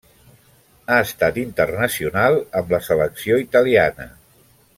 Ha estat internacional amb la selecció italiana.